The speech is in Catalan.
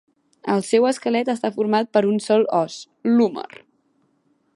El seu esquelet està format per un sol os: l'húmer.